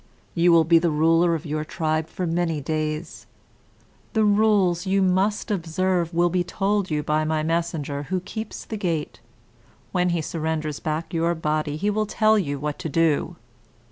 You will be the ruler of your tribe for many days. The rules you must observe will be told you by my messenger, who keeps the gate. When he surrenders back your body, he will tell you what to do.